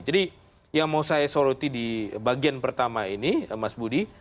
jadi yang mau saya soroti di bagian pertama ini mas budi